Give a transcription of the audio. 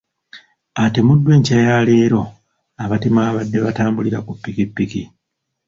Atemuddwa enkya ya leero abatemu ababadde batambulira ku ppikipiki .